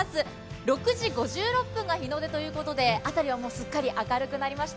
６時５６分が日の出ということで辺りはすっかり明るくなりました。